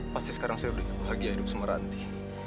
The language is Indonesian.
pasti sekarang saya udah bahagia hidup sama ranti